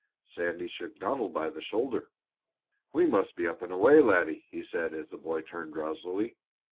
Sandy shook Donald by the shoulder. "We must be up and away, laddie," he said, as the boy turned drowsily.